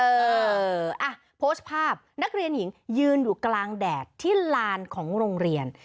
เอออ่ะโพสต์ภาพนักเรียนหญิงยืนอยู่กลางแดดที่ลานของโรงเรียน